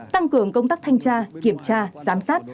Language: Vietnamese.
tăng cường công tác thanh tra kiểm tra giám sát